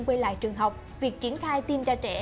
quay lại trường học việc triển khai tiêm cho trẻ